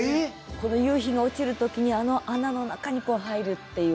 この夕日が落ちるときにあの穴の中に入るっていう。